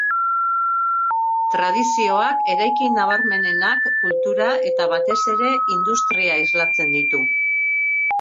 Tradizioak, eraikin nabarmenenak, kultura eta batez ere industria islatzen ditu.